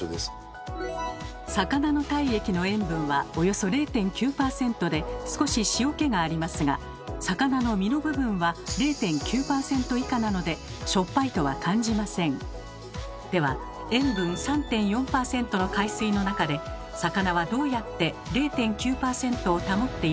魚の体液の塩分はおよそ０．９％で少し塩気がありますが魚の身の部分は０．９％以下なのででは塩分３．４％の海水の中で魚はどうやって０．９％を保っているのでしょうか？